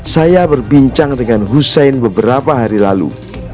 saya berbincang dengan hussein beberapa hari lalu